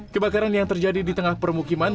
kebakaran yang terjadi di tengah permukiman